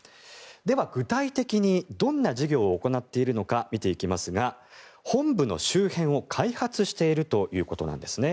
では、具体的にどんな事業を行っているのか見ていきますが本部の周辺を開発しているということなんです。